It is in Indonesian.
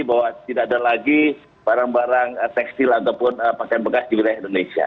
bahwa tidak ada lagi barang barang tekstil ataupun pakaian bekas di wilayah indonesia